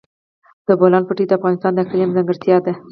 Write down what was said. د بولان پټي د افغانستان د اقلیم ځانګړتیا ده.